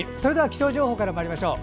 気象情報からまいりましょう。